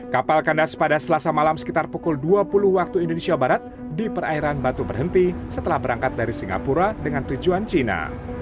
kapal kandas pada selasa malam sekitar pukul dua puluh waktu indonesia barat di perairan batu berhenti setelah berangkat dari singapura dengan tujuan cina